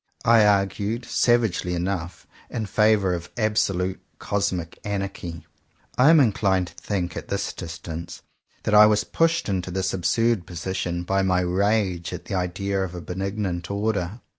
I argued, savagely enough, in favour of absolute cosmic anarchy. I am inclined to think, at this distance, that I was pushed into this absurd position by my rage at the idea of a benignant order.